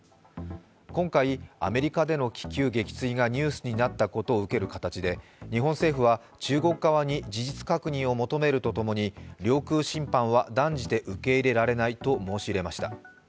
今回、アメリカでの気球撃墜がニュースになったことを受ける形で日本政府は、中国側に事実確認を求めるとともに、領空侵犯は断じて受け入れられないと申し入れました。